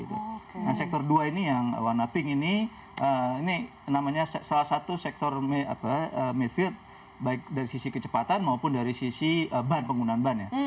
nah sektor dua ini yang warna pink ini ini namanya salah satu sektor mefield baik dari sisi kecepatan maupun dari sisi ban penggunaan ban ya